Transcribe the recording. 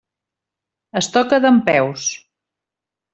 Es toca dempeus.